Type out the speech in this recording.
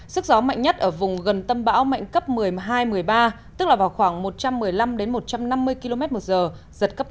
sức gió mạnh nhất ở vùng gần tâm bão mạnh cấp một mươi hai một mươi ba tức là vào khoảng một trăm một mươi năm một trăm năm mươi km một giờ giật cấp một mươi hai